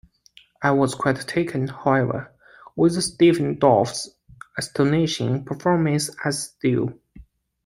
I was quite taken, however, with Stephen Dorff's astonishing performance as Stu.